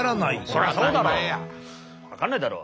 そりゃそうだろ。